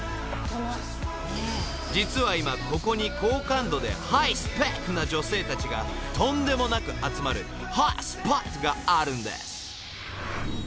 ［実は今ここに高感度でハイスペックな女性たちがとんでもなく集まるホットスポットがあるんです］